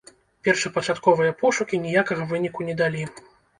Першапачатковыя пошукі ніякага выніку не далі.